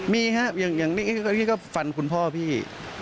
มีครับอย่างนี้พี่ก็ฟันคุณพ่อพี่